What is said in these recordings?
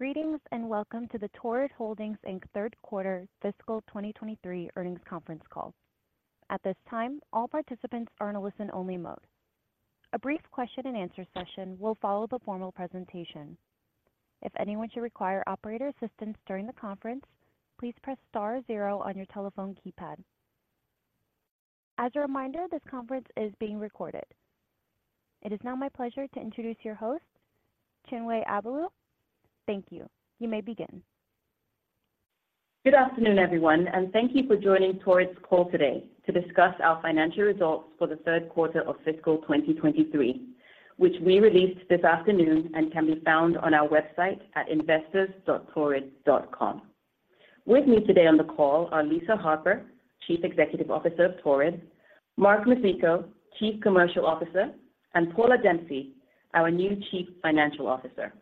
Greetings, and welcome to the Torrid Holdings, Inc. Third Quarter Fiscal 2023 Earnings Conference Call. At this time, all participants are in a listen-only mode. A brief question and answer session will follow the formal presentation. If anyone should require operator assistance during the conference, please press star zero on your telephone keypad. As a reminder, this conference is being recorded. It is now my pleasure to introduce your host, Chinwe Abaelu. Thank you. You may begin. Good afternoon, everyone, and thank you for joining Torrid's call today to discuss our financial results for the third quarter of fiscal 2023, which we released this afternoon and can be found on our website at investors.torrid.com. With me today on the call are Lisa Harper, Chief Executive Officer of Torrid, Mark Mizicko, Chief Commercial Officer, and Paula Dempsey, our new Chief Financial Officer.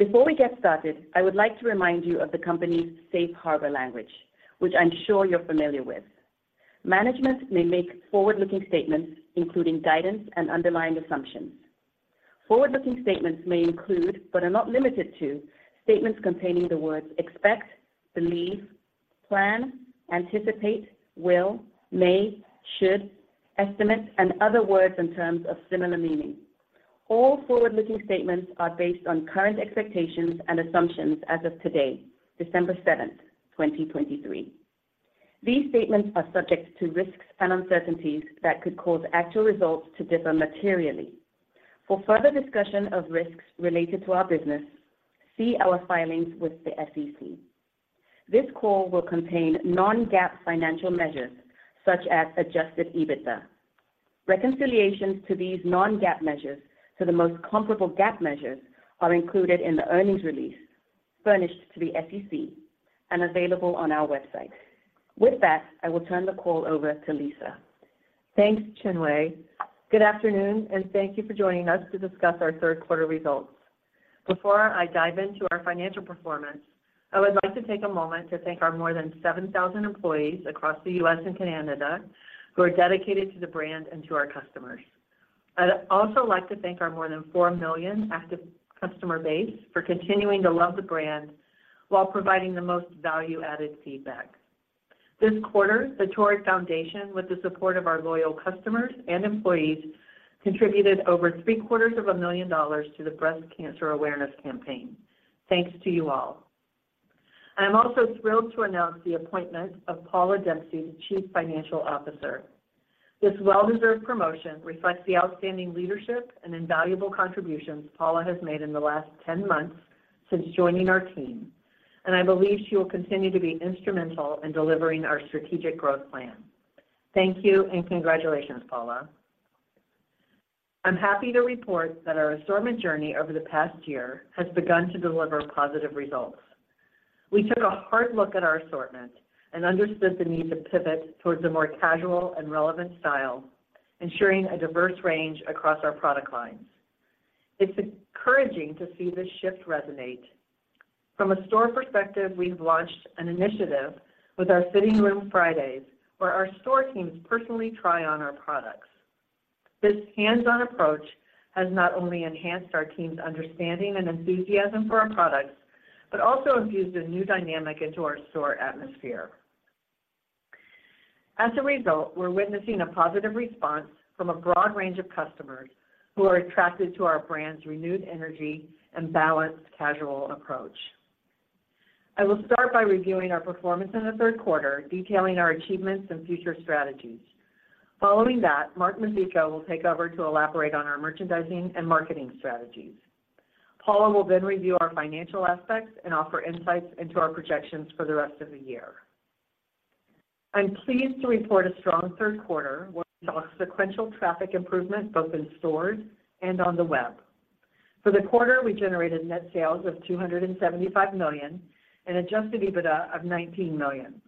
Before we get started, I would like to remind you of the company's Safe Harbor language, which I'm sure you're familiar with. Management may make forward-looking statements, including guidance and underlying assumptions. Forward-looking statements may include, but are not limited to, statements containing the words expect, believe, plan, anticipate, will, may, should, estimate, and other words in terms of similar meaning. All forward-looking statements are based on current expectations and assumptions as of today, December 7, 2023. These statements are subject to risks and uncertainties that could cause actual results to differ materially. For further discussion of risks related to our business, see our filings with the SEC. This call will contain non-GAAP financial measures, such as Adjusted EBITDA. Reconciliations to these non-GAAP measures to the most comparable GAAP measures are included in the earnings release furnished to the SEC and available on our website. With that, I will turn the call over to Lisa. Thanks, Chinwe. Good afternoon, and thank you for joining us to discuss our third quarter results. Before I dive into our financial performance, I would like to take a moment to thank our more than 7,000 employees across the U.S. and Canada who are dedicated to the brand and to our customers. I'd also like to thank our more than 4 million active customer base for continuing to love the brand while providing the most value-added feedback. This quarter, the Torrid Foundation, with the support of our loyal customers and employees, contributed over $750,000 to the Breast Cancer Awareness Campaign. Thanks to you all. I'm also thrilled to announce the appointment of Paula Dempsey, the Chief Financial Officer. This well-deserved promotion reflects the outstanding leadership and invaluable contributions Paula has made in the last 10 months since joining our team, and I believe she will continue to be instrumental in delivering our strategic growth plan. Thank you and congratulations, Paula. I'm happy to report that our assortment journey over the past year has begun to deliver positive results. We took a hard look at our assortment and understood the need to pivot towards a more casual and relevant style, ensuring a diverse range across our product lines. It's encouraging to see this shift resonate. From a store perspective, we've launched an initiative with our Fitting Room Fridays, where our store teams personally try on our products. This hands-on approach has not only enhanced our team's understanding and enthusiasm for our products, but also infused a new dynamic into our store atmosphere. As a result, we're witnessing a positive response from a broad range of customers who are attracted to our brand's renewed energy and balanced, casual approach. I will start by reviewing our performance in the third quarter, detailing our achievements and future strategies. Following that, Mark Mizicko will take over to elaborate on our merchandising and marketing strategies. Paula will then review our financial aspects and offer insights into our projections for the rest of the year. I'm pleased to report a strong third quarter with a sequential traffic improvement both in stores and on the web. For the quarter, we generated net sales of $275 million and Adjusted EBITDA of $19 million.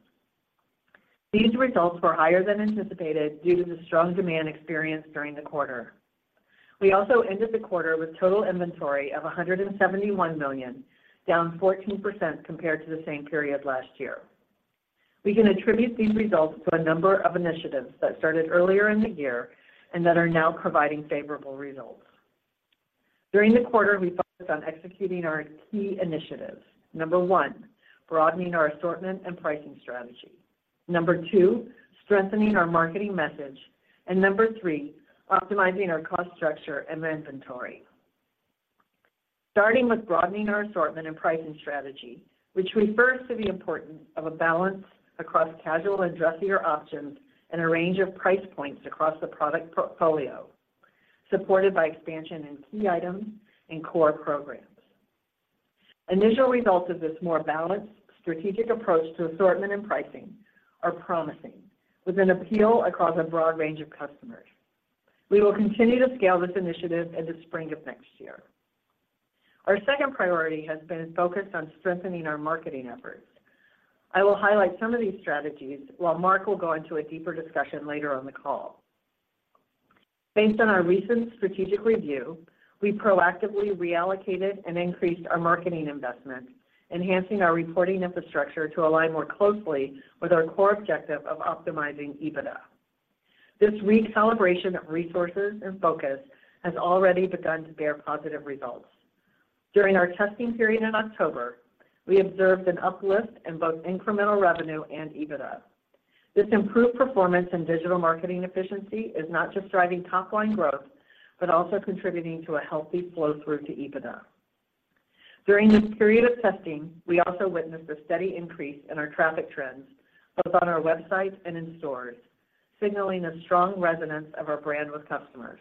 These results were higher than anticipated due to the strong demand experienced during the quarter. We also ended the quarter with total inventory of $171 million, down 14% compared to the same period last year. We can attribute these results to a number of initiatives that started earlier in the year and that are now providing favorable results. During the quarter, we focused on executing our key initiatives. Number one, broadening our assortment and pricing strategy. Number two, strengthening our marketing message. And number three, optimizing our cost structure and inventory. Starting with broadening our assortment and pricing strategy, which refers to the importance of a balance across casual and dressier options and a range of price points across the product portfolio, supported by expansion in key items and core programs. Initial results of this more balanced strategic approach to assortment and pricing are promising, with an appeal across a broad range of customers. We will continue to scale this initiative in the spring of next year. Our second priority has been focused on strengthening our marketing efforts. I will highlight some of these strategies, while Mark will go into a deeper discussion later on the call. Based on our recent strategic review, we proactively reallocated and increased our marketing investment, enhancing our reporting infrastructure to align more closely with our core objective of optimizing EBITDA. This recalibration of resources and focus has already begun to bear positive results. During our testing period in October, we observed an uplift in both incremental revenue and EBITDA. This improved performance in digital marketing efficiency is not just driving top line growth, but also contributing to a healthy flow-through to EBITDA. During this period of testing, we also witnessed a steady increase in our traffic trends, both on our website and in stores, signaling a strong resonance of our brand with customers.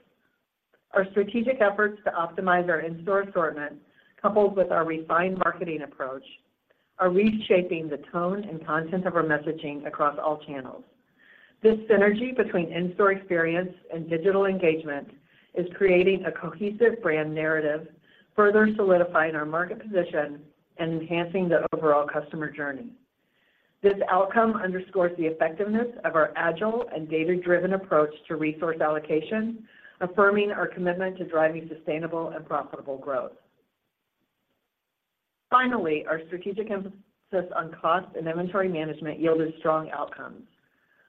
Our strategic efforts to optimize our in-store assortment, coupled with our refined marketing approach, are reshaping the tone and content of our messaging across all channels. This synergy between in-store experience and digital engagement is creating a cohesive brand narrative, further solidifying our market position and enhancing the overall customer journey. This outcome underscores the effectiveness of our agile and data-driven approach to resource allocation, affirming our commitment to driving sustainable and profitable growth. Finally, our strategic emphasis on cost and inventory management yielded strong outcomes.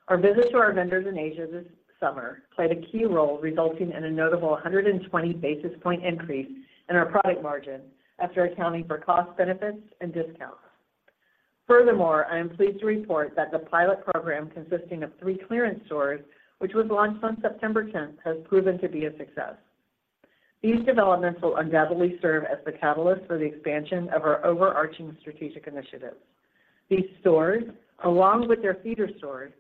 Our visit to our vendors in Asia this summer played a key role, resulting in a notable 120 basis point increase in our product margin after accounting for cost benefits and discounts. Furthermore, I am pleased to report that the pilot program, consisting of three clearance stores, which was launched on September 10th, has proven to be a success. These developments will undoubtedly serve as the catalyst for the expansion of our overarching strategic initiatives. These stores, along with their feeder stores,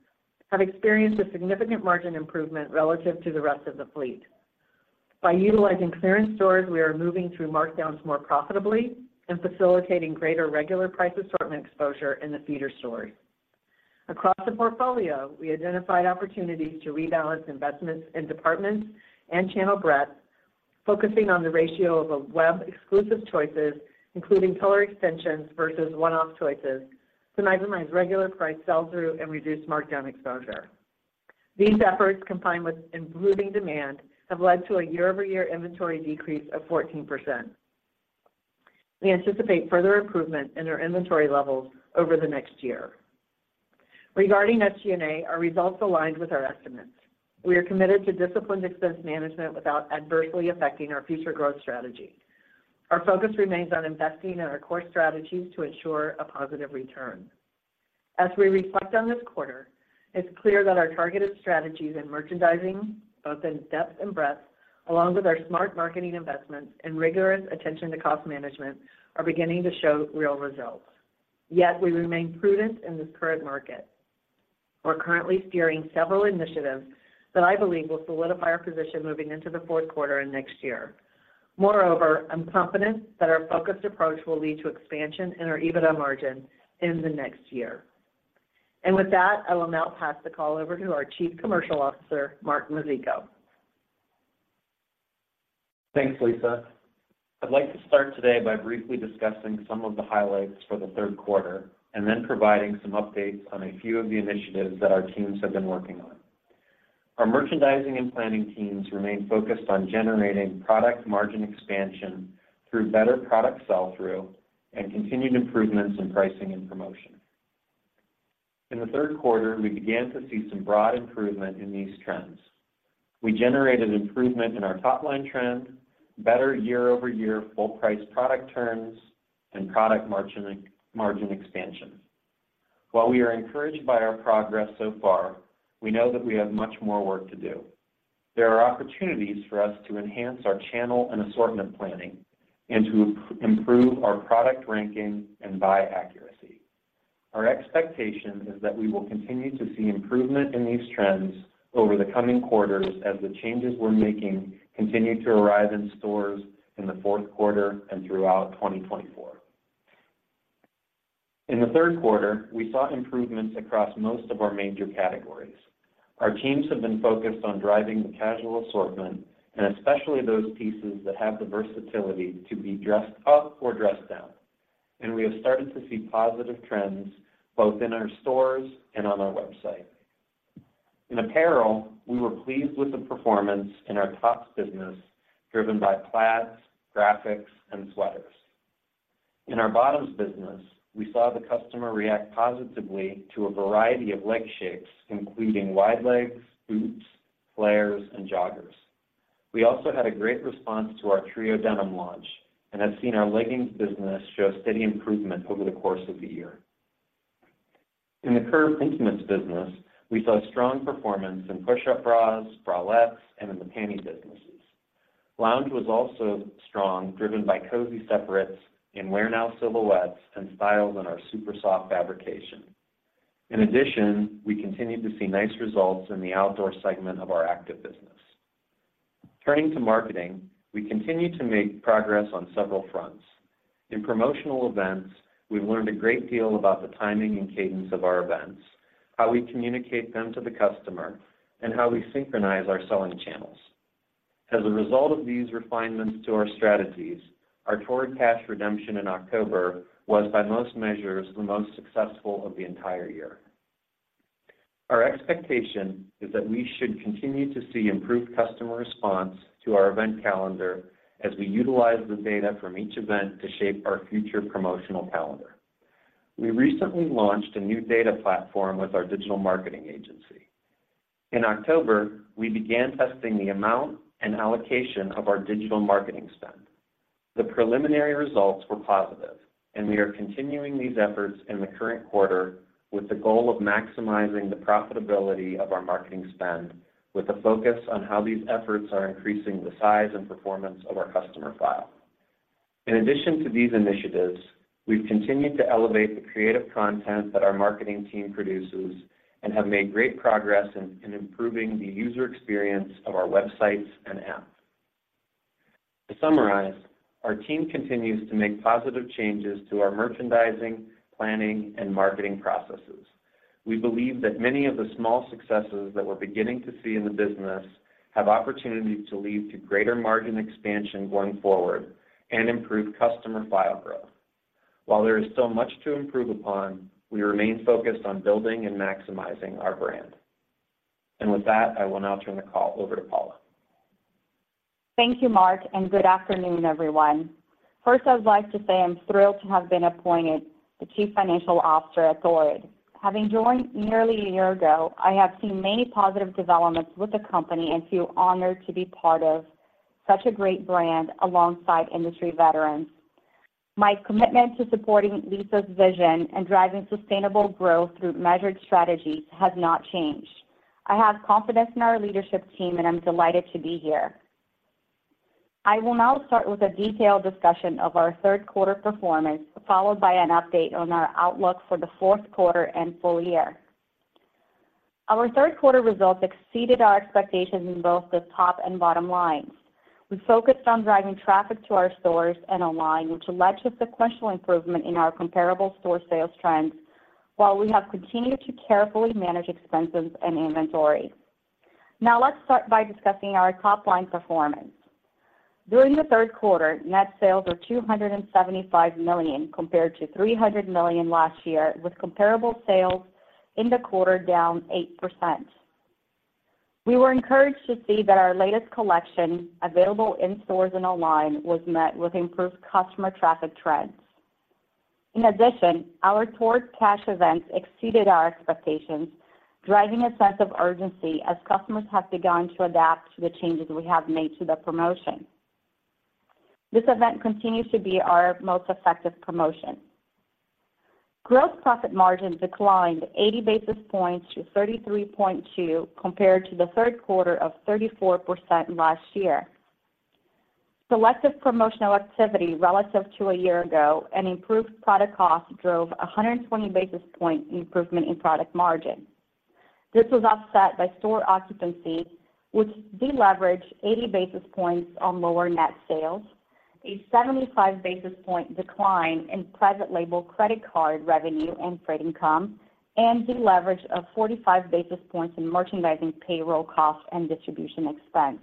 have experienced a significant margin improvement relative to the rest of the fleet. By utilizing clearance stores, we are moving through markdowns more profitably and facilitating greater regular price assortment exposure in the feeder stores. Across the portfolio, we identified opportunities to rebalance investments in departments and channel breadth, focusing on the ratio of a web-exclusive choices, including color extensions versus one-off choices, to maximize regular price sell-through and reduce markdown exposure. These efforts, combined with improving demand, have led to a year-over-year inventory decrease of 14%. We anticipate further improvement in our inventory levels over the next year. Regarding SG&A, our results aligned with our estimates. We are committed to disciplined expense management without adversely affecting our future growth strategy. Our focus remains on investing in our core strategies to ensure a positive return. As we reflect on this quarter, it's clear that our targeted strategies and merchandising, both in depth and breadth, along with our smart marketing investments and rigorous attention to cost management, are beginning to show real results. Yet we remain prudent in this current market. We're currently steering several initiatives that I believe will solidify our position moving into the fourth quarter and next year. Moreover, I'm confident that our focused approach will lead to expansion in our EBITDA margin in the next year. With that, I will now pass the call over to our Chief Commercial Officer, Mark Mizicko. Thanks, Lisa. I'd like to start today by briefly discussing some of the highlights for the third quarter and then providing some updates on a few of the initiatives that our teams have been working on. Our merchandising and planning teams remain focused on generating product margin expansion through better product sell-through and continued improvements in pricing and promotion. In the third quarter, we began to see some broad improvement in these trends. We generated improvement in our top-line trend, better year-over-year full price product turns, and product margin expansion. While we are encouraged by our progress so far, we know that we have much more work to do. There are opportunities for us to enhance our channel and assortment planning and to improve our product ranking and buy accuracy. Our expectation is that we will continue to see improvement in these trends over the coming quarters as the changes we're making continue to arrive in stores in the fourth quarter and throughout 2024. In the third quarter, we saw improvements across most of our major categories. Our teams have been focused on driving the casual assortment, and especially those pieces that have the versatility to be dressed up or dressed down, and we have started to see positive trends both in our stores and on our website. In apparel, we were pleased with the performance in our tops business, driven by plaids, graphics, and sweaters. In our bottoms business, we saw the customer react positively to a variety of leg shapes, including wide legs, boots, flares, and joggers. We also had a great response to our Trio denim launch and have seen our leggings business show steady improvement over the course of the year. In the Curve Intimates business, we saw strong performance in push-up bras, bralettes, and in the panty businesses. Lounge was also strong, driven by cozy separates in wear now silhouettes and styles in our Super Soft fabrication. In addition, we continued to see nice results in the outdoor segment of our active business. Turning to marketing, we continue to make progress on several fronts. In promotional events, we've learned a great deal about the timing and cadence of our events, how we communicate them to the customer, and how we synchronize our selling channels. As a result of these refinements to our strategies, our Torrid Cash redemption in October was, by most measures, the most successful of the entire year. Our expectation is that we should continue to see improved customer response to our event calendar as we utilize the data from each event to shape our future promotional calendar. We recently launched a new data platform with our digital marketing agency. In October, we began testing the amount and allocation of our digital marketing spend. The preliminary results were positive, and we are continuing these efforts in the current quarter with the goal of maximizing the profitability of our marketing spend, with a focus on how these efforts are increasing the size and performance of our customer file. In addition to these initiatives, we've continued to elevate the creative content that our marketing team produces and have made great progress in improving the user experience of our websites and app. To summarize, our team continues to make positive changes to our merchandising, planning, and marketing processes. We believe that many of the small successes that we're beginning to see in the business have opportunity to lead to greater margin expansion going forward and improve customer file growth. While there is still much to improve upon, we remain focused on building and maximizing our brand. With that, I will now turn the call over to Paula. Thank you, Mark, and good afternoon, everyone. First, I'd like to say I'm thrilled to have been appointed the Chief Financial Officer at Torrid. Having joined nearly a year ago, I have seen many positive developments with the company and feel honored to be part of such a great brand alongside industry veterans. My commitment to supporting Lisa's vision and driving sustainable growth through measured strategies has not changed. I have confidence in our leadership team, and I'm delighted to be here. I will now start with a detailed discussion of our third quarter performance, followed by an update on our outlook for the fourth quarter and full year. Our third quarter results exceeded our expectations in both the top and bottom lines. We focused on driving traffic to our stores and online, which led to sequential improvement in our comparable store sales trends, while we have continued to carefully manage expenses and inventory. Now, let's start by discussing our top-line performance. During the third quarter, net sales were $275 million, compared to $300 million last year, with comparable sales in the quarter down 8%. We were encouraged to see that our latest collection, available in stores and online, was met with improved customer traffic trends. In addition, our Torrid Cash events exceeded our expectations, driving a sense of urgency as customers have begun to adapt to the changes we have made to the promotion. This event continues to be our most effective promotion. Gross profit margin declined 80 basis points to 33.2%, compared to the third quarter of 34% last year. Selective promotional activity relative to a year ago and improved product cost drove a 120 basis point improvement in product margin. This was offset by store occupancy, which deleveraged 80 basis points on lower net sales, a 75 basis point decline in private label credit card revenue and freight income, and deleverage of 45 basis points in merchandising, payroll costs, and distribution expense.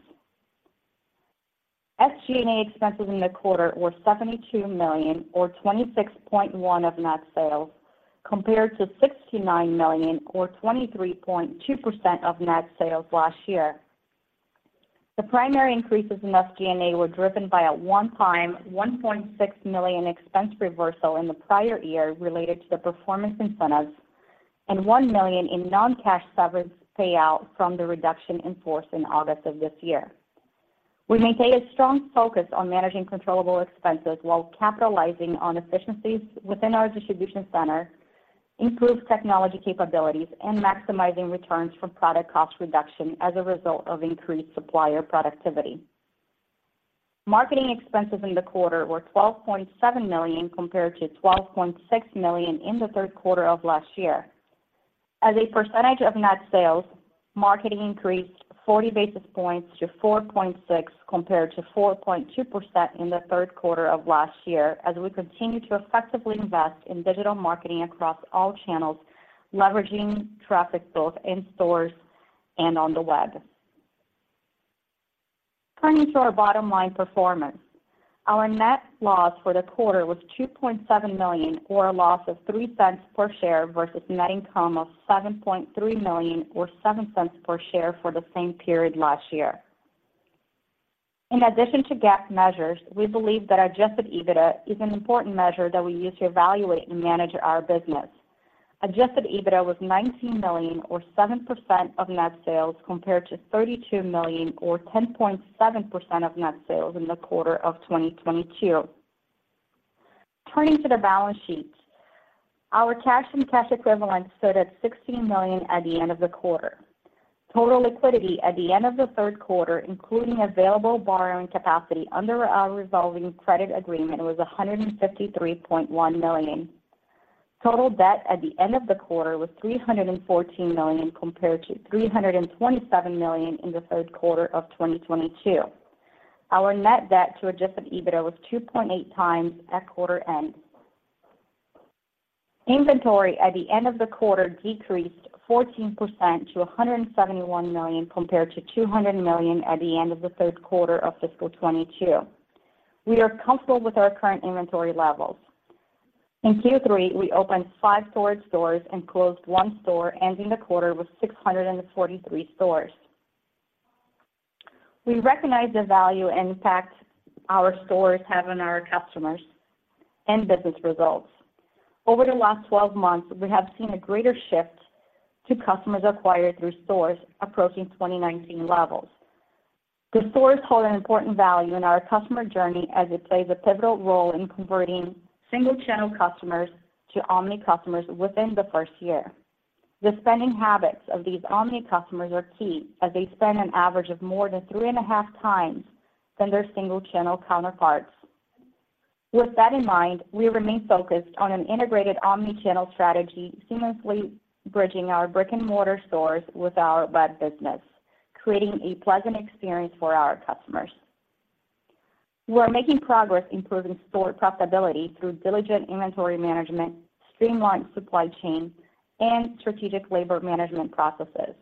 SG&A expenses in the quarter were $72 million, or 26.1 % of net sales, compared to $69 million or 23.2% of net sales last year. The primary increases in SG&A were driven by a one-time, $1.6 million expense reversal in the prior year related to the performance incentives and $1 million in non-cash severance payout from the reduction in force in August of this year. We maintain a strong focus on managing controllable expenses while capitalizing on efficiencies within our distribution center, improved technology capabilities, and maximizing returns from product cost reduction as a result of increased supplier productivity. Marketing expenses in the quarter were $12.7 million, compared to $12.6 million in the third quarter of last year. As a percentage of net sales, marketing increased 40 basis points to 4.6%, compared to 4.2% in the third quarter of last year, as we continue to effectively invest in digital marketing across all channels, leveraging traffic both in stores and on the web. Turning to our bottom line performance, our net loss for the quarter was $2.7 million, or a loss of $0.03 per share, versus net income of $7.3 million, or $0.07 per share, for the same period last year. In addition to GAAP measures, we believe that Adjusted EBITDA is an important measure that we use to evaluate and manage our business. Adjusted EBITDA was $19 million, or 7% of net sales, compared to $32 million, or 10.7% of net sales in the quarter of 2022. Turning to the balance sheet, our cash and cash equivalents stood at $16 million at the end of the quarter. Total liquidity at the end of the third quarter, including available borrowing capacity under our revolving credit agreement, was $153.1 million. Total debt at the end of the quarter was $314 million, compared to $327 million in the third quarter of 2022. Our net debt to Adjusted EBITDA was 2.8x at quarter end. Inventory at the end of the quarter decreased 14% to $171 million, compared to $200 million at the end of the third quarter of fiscal 2022. We are comfortable with our current inventory levels. In Q3, we opened five Torrid stores and closed one store, ending the quarter with 643 stores. We recognize the value and impact our stores have on our customers and business results. Over the last 12 months, we have seen a greater shift to customers acquired through stores approaching 2019 levels. The stores hold an important value in our customer journey as it plays a pivotal role in converting single channel customers to omni customers within the first year. The spending habits of these omni customers are key, as they spend an average of more than 3.5x than their single channel counterparts. With that in mind, we remain focused on an integrated omnichannel strategy, seamlessly bridging our brick-and-mortar stores with our web business, creating a pleasant experience for our customers. We are making progress improving store profitability through diligent inventory management, streamlined supply chain, and strategic labor management processes.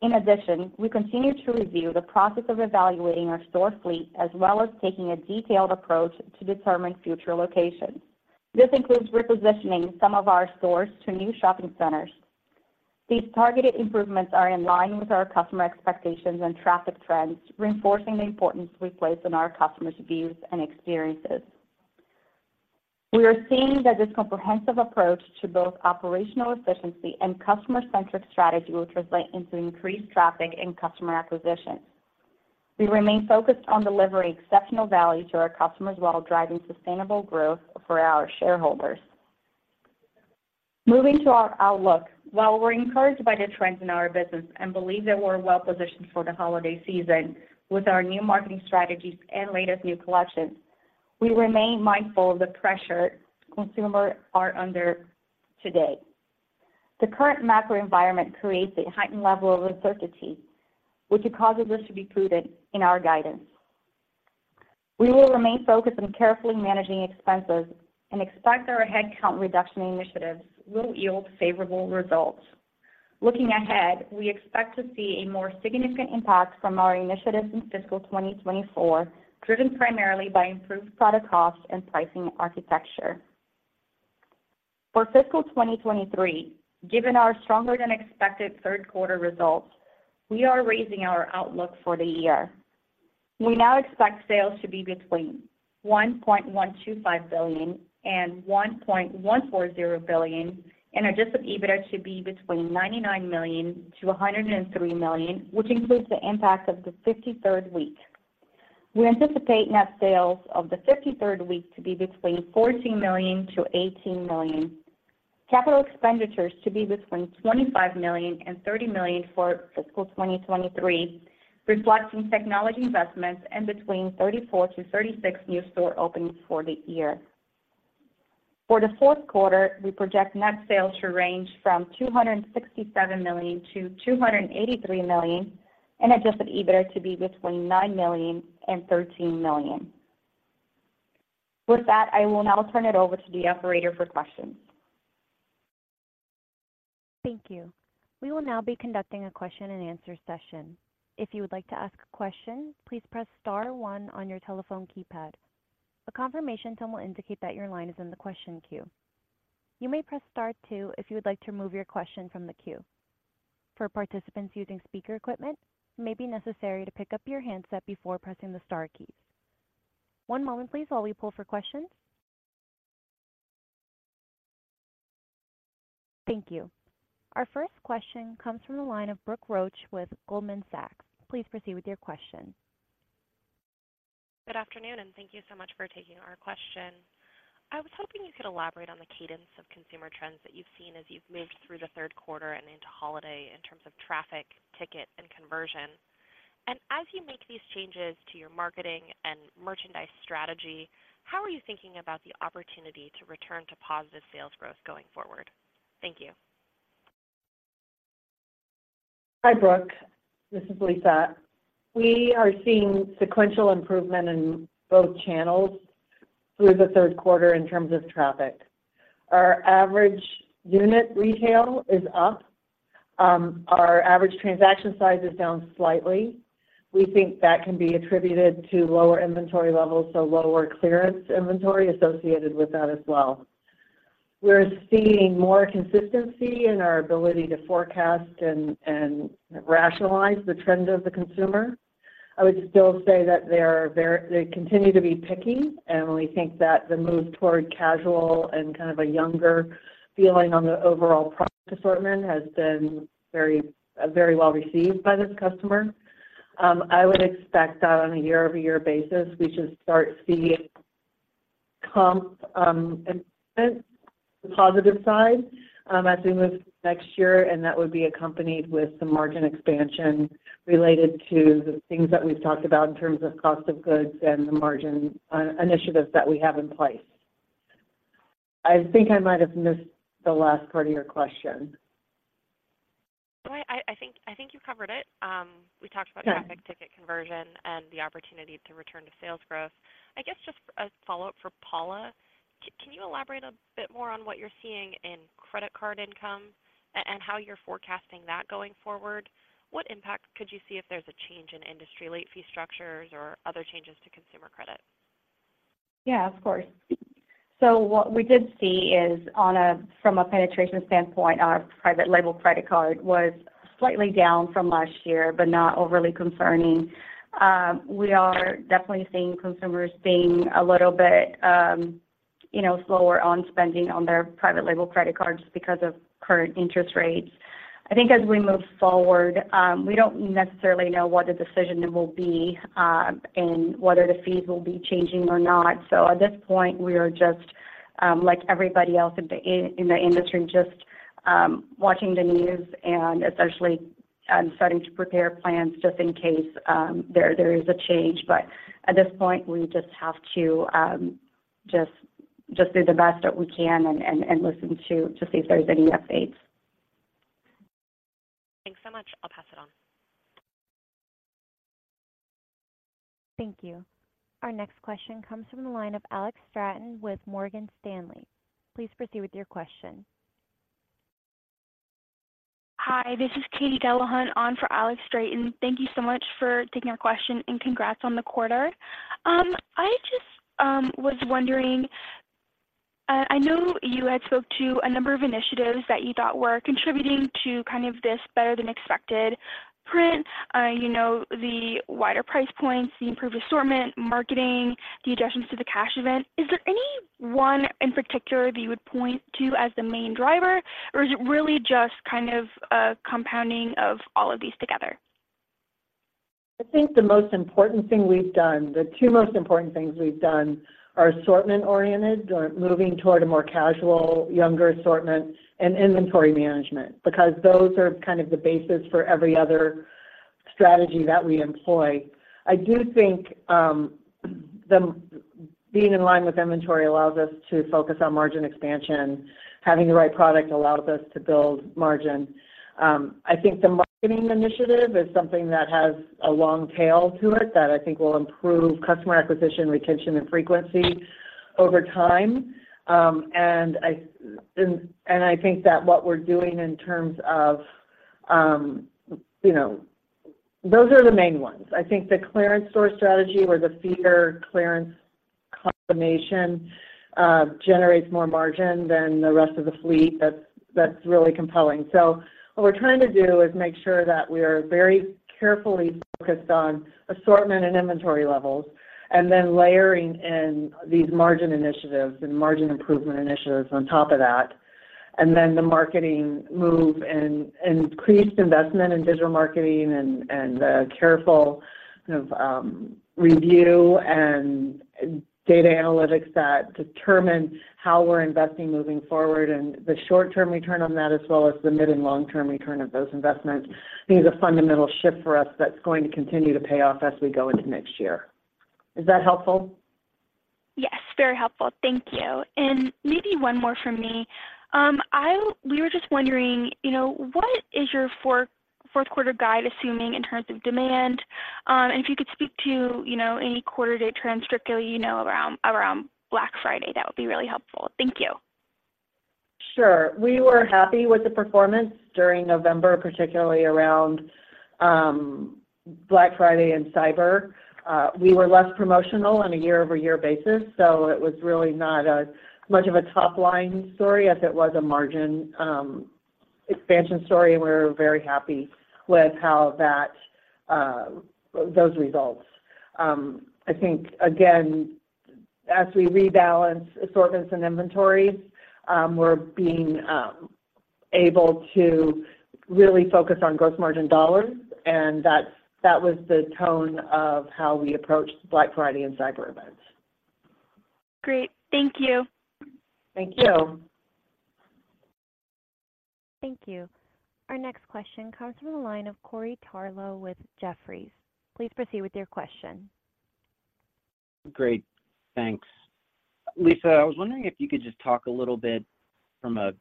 In addition, we continue to review the process of evaluating our store fleet, as well as taking a detailed approach to determine future locations. This includes repositioning some of our stores to new shopping centers. These targeted improvements are in line with our customer expectations and traffic trends, reinforcing the importance we place on our customers' views and experiences. We are seeing that this comprehensive approach to both operational efficiency and customer-centric strategy will translate into increased traffic and customer acquisition. We remain focused on delivering exceptional value to our customers while driving sustainable growth for our shareholders. Moving to our outlook, while we're encouraged by the trends in our business and believe that we're well positioned for the holiday season with our new marketing strategies and latest new collections, we remain mindful of the pressure consumers are under today. The current macro environment creates a heightened level of uncertainty, which causes us to be prudent in our guidance. We will remain focused on carefully managing expenses and expect our headcount reduction initiatives will yield favorable results. Looking ahead, we expect to see a more significant impact from our initiatives in fiscal 2024, driven primarily by improved product costs and pricing architecture. For fiscal 2023, given our stronger than expected third quarter results, we are raising our outlook for the year. We now expect sales to be between $1.125 billion and $1.140 billion, and Adjusted EBITDA to be between $99 million-$103 million, which includes the impact of the 53rd week. We anticipate net sales of the 53rd week to be between $14 million-$18 million. Capital expenditures to be between $25 million and $30 million for fiscal 2023, reflecting technology investments and between 34-36 new store openings for the year. For the fourth quarter, we project net sales to range from $267 million-$283 million, and Adjusted EBITDA to be between $9 million-$13 million. With that, I will now turn it over to the operator for questions. Thank you. We will now be conducting a question-and-answer session. If you would like to ask a question, please press star one on your telephone keypad. A confirmation tone will indicate that your line is in the question queue. You may press star two if you would like to remove your question from the queue. For participants using speaker equipment, it may be necessary to pick up your handset before pressing the star keys. One moment please, while we pull for questions. Thank you. Our first question comes from the line of Brooke Roach with Goldman Sachs. Please proceed with your question. Good afternoon, and thank you so much for taking our question. I was hoping you could elaborate on the cadence of consumer trends that you've seen as you've moved through the third quarter and into holiday in terms of traffic, ticket, and conversion. As you make these changes to your marketing and merchandise strategy, how are you thinking about the opportunity to return to positive sales growth going forward? Thank you. Hi, Brooke. This is Lisa. We are seeing sequential improvement in both channels through the third quarter in terms of traffic. Our average unit retail is up. Our average transaction size is down slightly. We think that can be attributed to lower inventory levels, so lower clearance inventory associated with that as well. We're seeing more consistency in our ability to forecast and rationalize the trends of the consumer. I would still say that they're very... They continue to be picky, and we think that the move toward casual and kind of a younger feeling on the overall product assortment has been very well received by this customer. I would expect that on a year-over-year basis, we should start seeing comp, improvement, the positive side, as we move next year, and that would be accompanied with some margin expansion related to the things that we've talked about in terms of cost of goods and the margin on initiatives that we have in place. I think I might have missed the last part of your question. No, I, I think, I think you covered it. We talked about- Yeah... traffic ticket conversion and the opportunity to return to sales growth. I guess just a follow-up for Paula. Can you elaborate a bit more on what you're seeing in credit card income and how you're forecasting that going forward? What impact could you see if there's a change in industry late fee structures or other changes to consumer credit? .Yeah, of course. So what we did see is on a, from a penetration standpoint, our private label credit card was slightly down from last year, but not overly concerning. We are definitely seeing consumers being a little bit, you know, slower on spending on their private label credit cards because of current interest rates. I think as we move forward, we don't necessarily know what the decision will be, and whether the fees will be changing or not. So at this point, we are just, like everybody else in the industry, just watching the news and essentially starting to prepare plans just in case there is a change. But at this point, we just have to just do the best that we can and listen to see if there's any updates. Thanks so much. I'll pass it on. Thank you. Our next question comes from the line of Alex Stratton with Morgan Stanley. Please proceed with your question. Hi, this is Katie Delahunt on for Alex Stratton. Thank you so much for taking our question, and congrats on the quarter. I just was wondering, I know you had spoke to a number of initiatives that you thought were contributing to kind of this better-than-expected print, you know, the wider price points, the improved assortment, marketing, the adjustments to the cash event. Is there any one in particular that you would point to as the main driver, or is it really just kind of a compounding of all of these together? I think the most important thing we've done, the two most important things we've done are assortment oriented, or moving toward a more casual, younger assortment and inventory management, because those are kind of the basis for every other strategy that we employ. I do think, being in line with inventory allows us to focus on margin expansion. Having the right product allows us to build margin. I think the marketing initiative is something that has a long tail to it, that I think will improve customer acquisition, retention, and frequency over time. And I think that what we're doing in terms of, you know... Those are the main ones. I think the clearance store strategy, where the feeder clearance combination generates more margin than the rest of the fleet, that's really compelling. So what we're trying to do is make sure that we are very carefully focused on assortment and inventory levels, and then layering in these margin initiatives and margin improvement initiatives on top of that. And then the marketing move and increased investment in digital marketing and the careful kind of review and data analytics that determine how we're investing moving forward and the short-term return on that, as well as the mid and long-term return of those investments, is a fundamental shift for us that's going to continue to pay off as we go into next year. Is that helpful? Yes, very helpful. Thank you. And maybe one more from me. We were just wondering, you know, what is your fourth quarter guide assuming in terms of demand? And if you could speak to, you know, any quarter-to-date trends particularly, you know, around Black Friday, that would be really helpful. Thank you. Sure. We were happy with the performance during November, particularly around Black Friday and Cyber. We were less promotional on a year-over-year basis, so it was really not much of a top-line story as it was a margin expansion story, and we're very happy with how that those results. I think, again, as we rebalance assortments and inventories, we're being able to really focus on gross margin dollars, and that was the tone of how we approached Black Friday and Cyber events. Great. Thank you. Thank you. Thank you. Our next question comes from the line of Corey Tarlowe with Jefferies. Please proceed with your question. Great, thanks. Lisa, I was wondering if you could just talk a little bit from a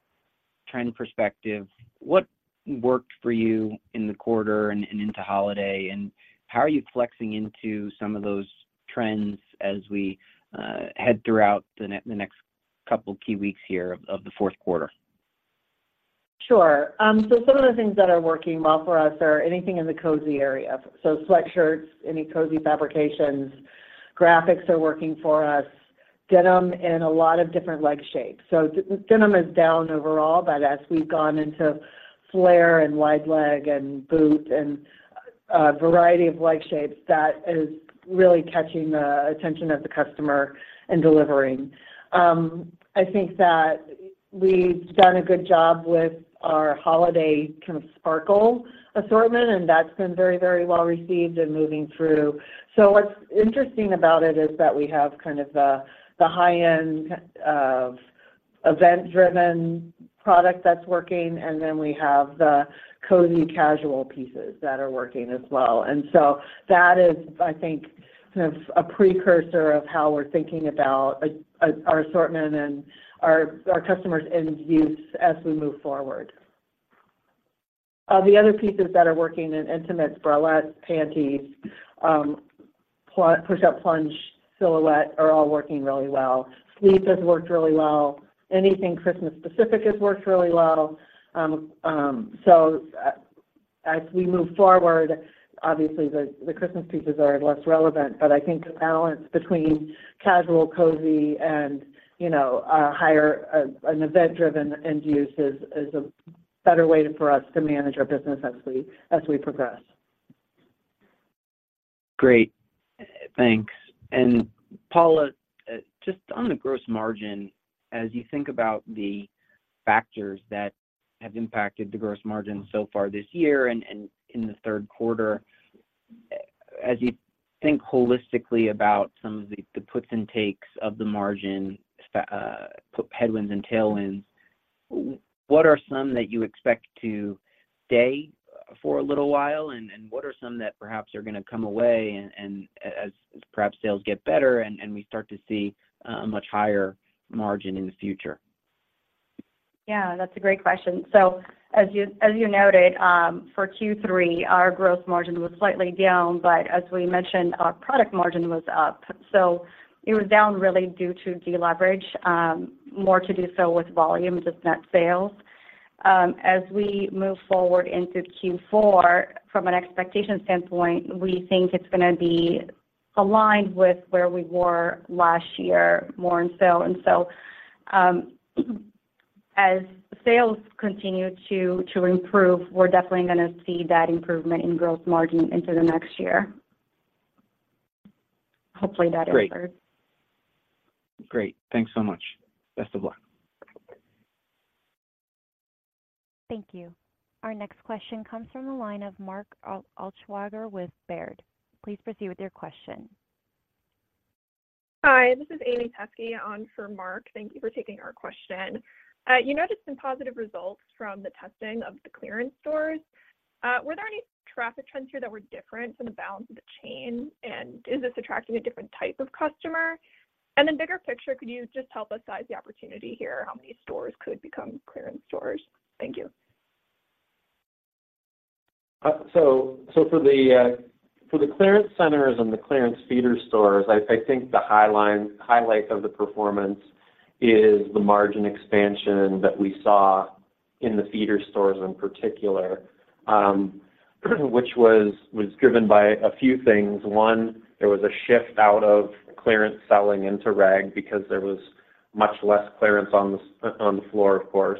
trend perspective, what worked for you in the quarter and into holiday, and how are you flexing into some of those trends as we head throughout the next couple key weeks here of the fourth quarter? Sure. So some of the things that are working well for us are anything in the cozy area, so sweatshirts, any cozy fabrications. Graphics are working for us, denim, and a lot of different leg shapes. So denim is down overall, but as we've gone into flare and wide leg and boot and variety of leg shapes, that is really catching the attention of the customer and delivering. I think that we've done a good job with our holiday kind of sparkle assortment, and that's been very, very well received and moving through. So what's interesting about it is that we have kind of the, the high-end event-driven product that's working, and then we have the cozy, casual pieces that are working as well. And so that is, I think, kind of a precursor of how we're thinking about a, our assortment and our customers' end use as we move forward. The other pieces that are working in intimates, bralettes, panties, push-up plunge, silhouette are all working really well. Sleeves has worked really well. Anything Christmas specific has worked really well. So, as we move forward, obviously, the Christmas pieces are less relevant, but I think the balance between casual, cozy, and, you know, a higher, an event-driven end use is a better way for us to manage our business as we progress. Great. Thanks. And Paula, just on the gross margin, as you think about the factors that have impacted the gross margin so far this year and in the third quarter, as you think holistically about some of the puts and takes of the margin, put headwinds and tailwinds, what are some that you expect to stay for a little while, and what are some that perhaps are gonna come away and as perhaps sales get better and we start to see a much higher margin in the future? Yeah, that's a great question. So as you noted, for Q3, our gross margin was slightly down, but as we mentioned, our product margin was up. So it was down really due to deleverage, more to do so with volumes of net sales. As we move forward into Q4, from an expectation standpoint, we think it's gonna be aligned with where we were last year, more in sale. And so, as sales continue to improve, we're definitely gonna see that improvement in gross margin into the next year. Hopefully, that answers. Great. Great. Thanks so much. Best of luck. Thank you. Our next question comes from the line of Mark Altschwager with Baird. Please proceed with your question. Hi, this is Amy [Tepsy] on for Mark. Thank you for taking our question. You noted some positive results from the testing of the clearance stores. Were there any traffic trends here that were different from the balance of the chain? And is this attracting a different type of customer? And then bigger picture, could you just help us size the opportunity here, how many stores could become clearance stores? Thank you. So for the clearance centers and the clearance feeder stores, I think the highlight of the performance is the margin expansion that we saw in the feeder stores in particular, which was driven by a few things. One, there was a shift out of clearance selling into reg because there was much less clearance on the floor, of course.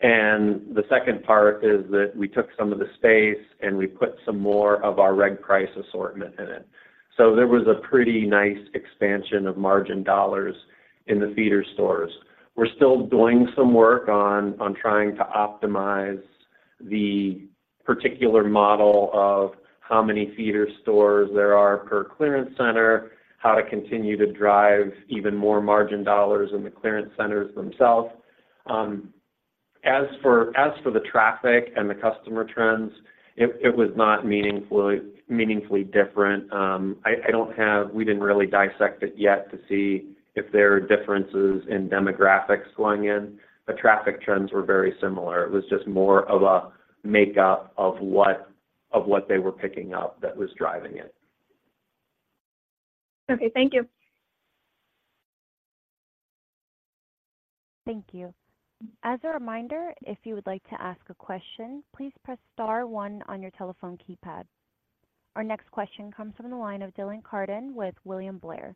And the second part is that we took some of the space, and we put some more of our reg price assortment in it. So there was a pretty nice expansion of margin dollars in the feeder stores. We're still doing some work on trying to optimize the particular model of how many feeder stores there are per clearance center, how to continue to drive even more margin dollars in the clearance centers themselves. As for the traffic and the customer trends, it was not meaningfully different. I don't have—we didn't really dissect it yet to see if there are differences in demographics going in. The traffic trends were very similar. It was just more of a makeup of what they were picking up that was driving it. Okay. Thank you. Thank you. As a reminder, if you would like to ask a question, please press star one on your telephone keypad. Our next question comes from the line of Dylan Carden with William Blair.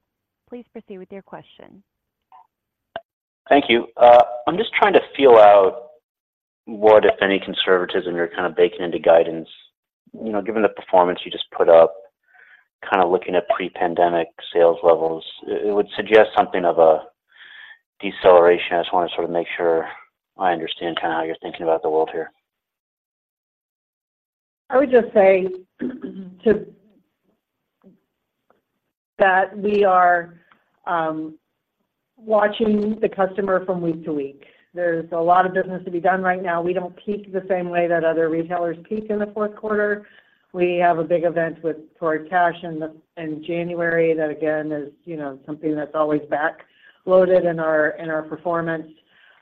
Please proceed with your question. Thank you. I'm just trying to feel out what, if any, conservatism you're kind of baking into guidance. You know, given the performance you just put up, kind of, looking at pre-pandemic sales levels, it would suggest something of a deceleration. I just wanna sort of make sure I understand kind of how you're thinking about the world here. I would just say that we are watching the customer from week to week. There's a lot of business to be done right now. We don't peak the same way that other retailers peak in the fourth quarter. We have a big event with Torrid Cash in January. That again is, you know, something that's always backloaded in our performance.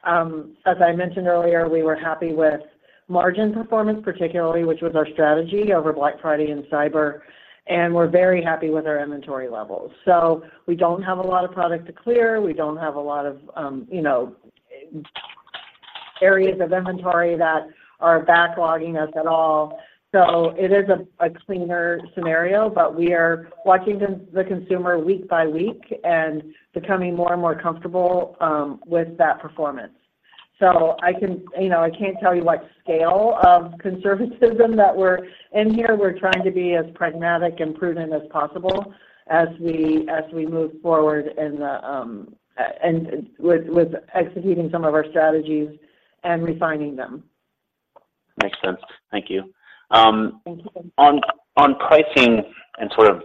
As I mentioned earlier, we were happy with margin performance, particularly, which was our strategy over Black Friday and Cyber, and we're very happy with our inventory levels. So we don't have a lot of product to clear. We don't have a lot of, you know, areas of inventory that are backlogging us at all. So it is a cleaner scenario, but we are watching the consumer week by week and becoming more and more comfortable with that performance. So I can... You know, I can't tell you what scale of conservatism that we're in here. We're trying to be as pragmatic and prudent as possible as we move forward in the and with executing some of our strategies and refining them. Makes sense. Thank you. Thank you. On pricing and sort of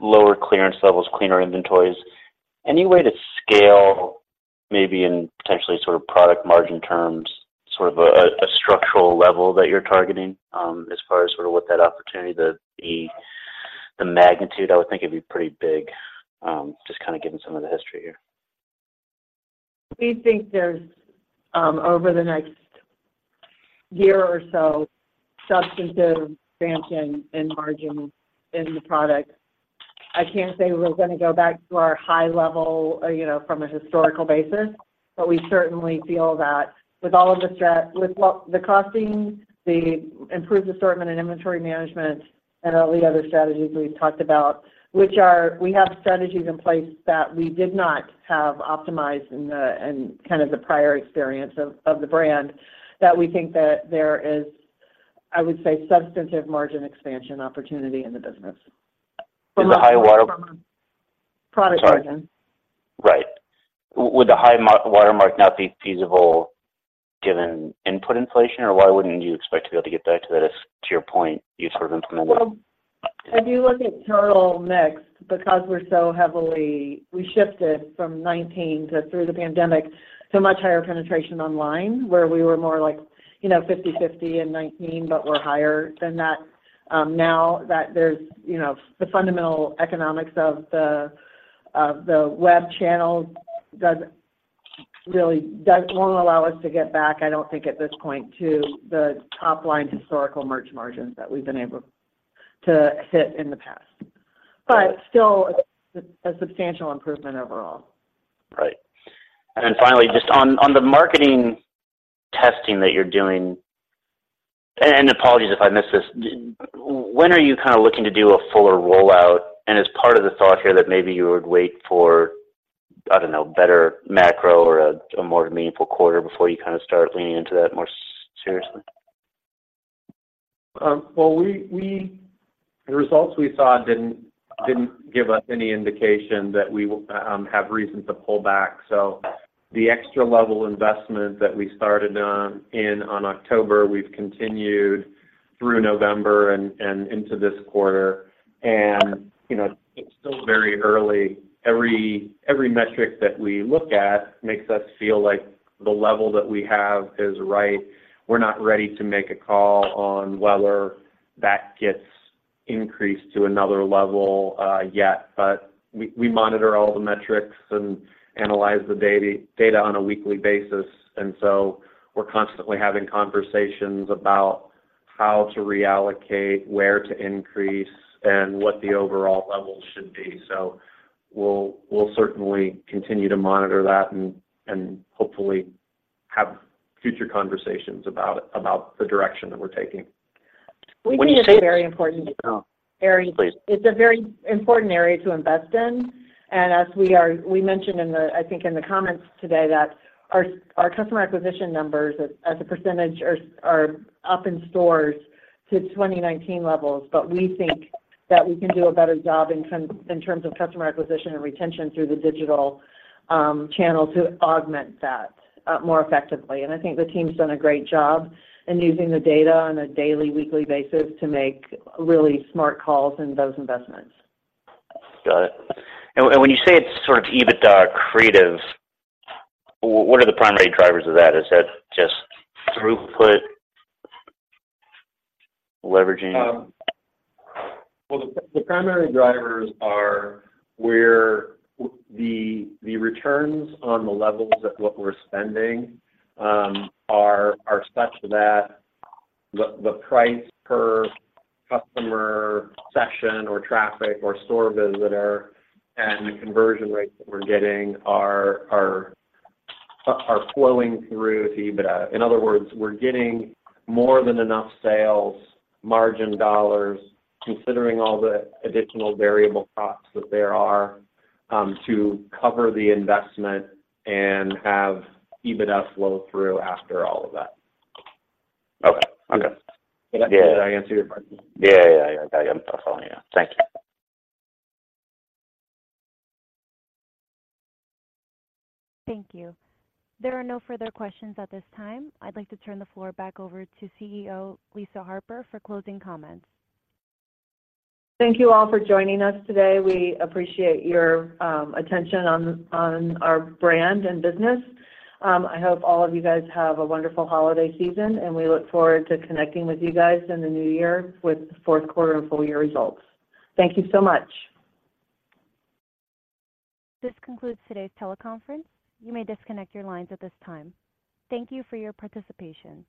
lower clearance levels, cleaner inventories, any way to scale, maybe in potentially sort of product margin terms, sort of a structural level that you're targeting, as far as sort of what that opportunity, the magnitude? I would think it'd be pretty big, just kind of given some of the history here. We think there's over the next year or so, substantive expansion in margins in the product. I can't say we're gonna go back to our high level, you know, from a historical basis, but we certainly feel that with all of the with what the costing, the improved assortment and inventory management, and all the other strategies we've talked about, which are, we have strategies in place that we did not have optimized in the, in kind of the prior experience of, of the brand, that we think that there is, I would say, substantive margin expansion opportunity in the business. From the high watermark? Product margin. Sorry. Right. Would the high margin watermark not be feasible given input inflation? Or why wouldn't you expect to be able to get back to that, as to your point, you sort of implemented? Well, if you look at total mix, because we're so heavily... We shifted from 2019 through the pandemic, to much higher penetration online, where we were more like, you know, 50/50 in 2019, but we're higher than that. Now that there's, you know, the fundamental economics of the web channel doesn't really won't allow us to get back, I don't think, at this point, to the top-line historical merch margins that we've been able to hit in the past. But still, a substantial improvement overall. Right. And then finally, just on the marketing testing that you're doing, and apologies if I missed this, when are you kind of looking to do a fuller rollout? And is part of the thought here that maybe you would wait for, I don't know, better macro or a more meaningful quarter before you kind of start leaning into that more seriously? Well, the results we saw didn't give us any indication that we have reason to pull back. So the extra level investment that we started in on October, we've continued through November and into this quarter. And, you know, it's still very early. Every metric that we look at makes us feel like the level that we have is right. We're not ready to make a call on whether that gets increased to another level yet. But we monitor all the metrics and analyze the data on a weekly basis, and so we're constantly having conversations about how to reallocate, where to increase, and what the overall level should be. So we'll certainly continue to monitor that and hopefully have future conversations about the direction that we're taking. We think it's a very important area. Please. It's a very important area to invest in, and as we mentioned in the, I think in the comments today, that our customer acquisition numbers as a percentage are up in stores to 2019 levels. But we think that we can do a better job in terms of customer acquisition and retention through the digital channel to augment that more effectively. And I think the team's done a great job in using the data on a daily, weekly basis to make really smart calls in those investments. Got it. And when you say it's sort of EBITDA creative, what are the primary drivers of that? Is that just throughput, leveraging? Well, the primary drivers are where the returns on the levels of what we're spending are such that the price per customer session or traffic or store visitor and the conversion rates that we're getting are flowing through to EBITDA. In other words, we're getting more than enough sales, margin dollars, considering all the additional variable costs that there are to cover the investment and have EBITDA flow through after all of that. Okay. Okay. Did I answer your question? Yeah, yeah, I got you. I'm following you. Thank you. Thank you. There are no further questions at this time. I'd like to turn the floor back over to CEO, Lisa Harper, for closing comments. Thank you all for joining us today. We appreciate your attention on our brand and business. I hope all of you guys have a wonderful holiday season, and we look forward to connecting with you guys in the new year with fourth quarter and full year results. Thank you so much. This concludes today's teleconference. You may disconnect your lines at this time. Thank you for your participation.